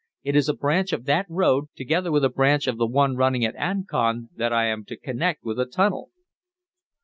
It is a branch of that road, together with a branch of the one running to Ancon, that I am to connect with a tunnel."